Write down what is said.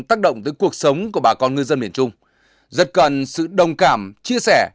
tác động tới cuộc sống của bà con ngư dân miền trung rất cần sự đồng cảm chia sẻ